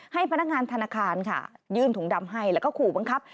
ให้พนักงานธนาคารค่ะยื่นถุงดำให้แล้วก็ขู่บังคับ